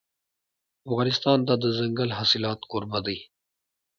افغانستان د دځنګل حاصلات کوربه دی.